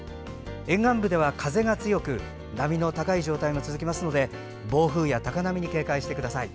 沿岸部では風が強く波の高い状態も続きますので暴風や高波に警戒してください。